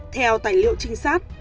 theo tài liệu trinh sát